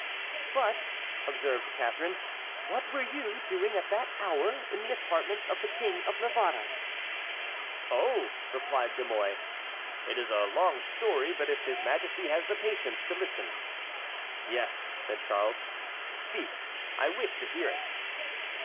"But," observed Catharine, "what were you doing at that hour in the apartments of the King of Navarre?" "Oh!" replied De Mouy, "it is a long story, but if his Majesty has the patience to listen"— "Yes," said Charles; "speak, I wish to hear it."